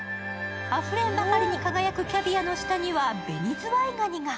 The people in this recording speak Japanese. あふれんばかりに輝くキャビアの下には紅ずわいがにが。